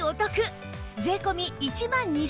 税込１万２８００円